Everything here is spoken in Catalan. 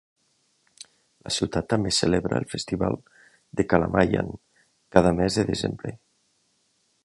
La ciutat també celebra el festival de Kalamayan cada mes de desembre.